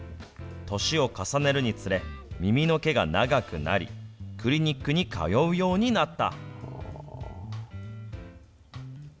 年を重ねるにつれ、耳の毛が長くなり、クリニックに通うようになった。